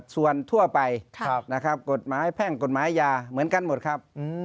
ส่วนทั่วไปนะครับกฎหมายแพ่งกฎหมายยาเหมือนกันหมดครับ